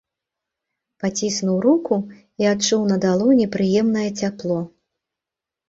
Паціснуў руку і адчуў на далоні прыемнае цяпло.